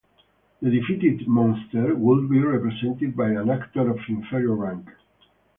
The defeated monster would be represented by an actor of inferior rank.